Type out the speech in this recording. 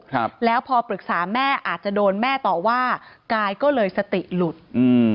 ครับแล้วพอปรึกษาแม่อาจจะโดนแม่ต่อว่ากายก็เลยสติหลุดอืม